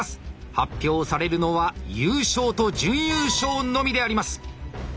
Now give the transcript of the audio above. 発表されるのは優勝と準優勝のみであります。